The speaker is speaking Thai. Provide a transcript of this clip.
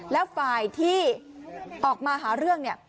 แล้วฝ่ายที่ออกมาหาเรื่องเนี่ย